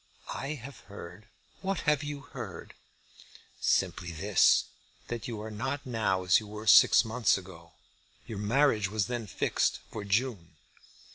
"I have heard " "What have you heard?" "Simply this, that you are not now as you were six months ago. Your marriage was then fixed for June."